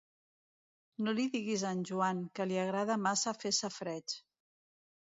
No li diguis a en Joan, que li agrada massa fer safareig.